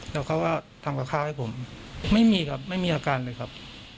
แล้วเขาก็ทำกับข้าวให้ผมไม่มีครับไม่มีอาการเลยครับ